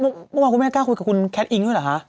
เมื่อวานคุณแม่กล้าคุยกับคุณแคทอิงด้วยเหรอคะ